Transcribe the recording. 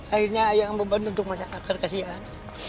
akhirnya ayah yang membantu untuk masyarakat kasihan